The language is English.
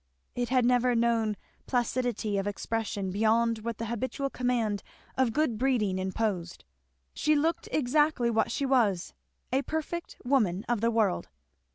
It had never known placidity of expression beyond what the habitual command of good breeding imposed. She looked exactly what she was, a perfect woman of the world.